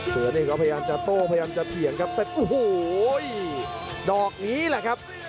เสือนี่ก็พยายามจะโต้พยายามจะเถียงครับแต่โอ้โหดอกนี้แหละครับ